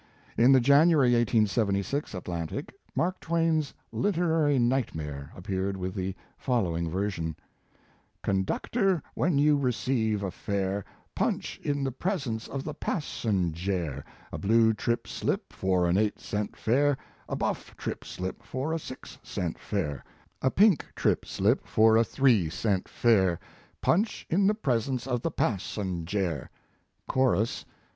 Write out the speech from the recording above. In the January, 1876, Atlantic, Mark Twain s "Literary Nightmare" appeared with the following version: Conductor, when you receive a fare, Punch in the presence of the passenjare ! A blue trip slip for an eight cent fare, A buff trip slip for a six cent fare, A pink trip slip for a three cent fare; Punch in the presence of the passenjare ! His Life and Work. 121 CHORUS.